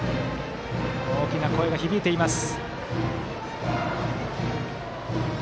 大きな声が響いています。